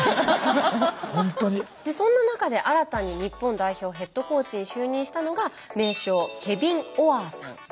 でそんな中で新たに日本代表ヘッドコーチに就任したのが名将ケビン・オアーさんです。